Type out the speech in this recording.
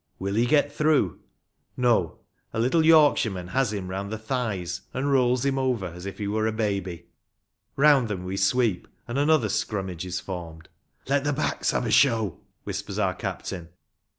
Will he get through? No ; a little Yorkshireman has him round the thighs, and rolls him over as if he were a baby. Round them we sweep, and another scrummage O 2IO RUGBY FOOTBALL. is formed. " Let the backs have a show," whispers our captain.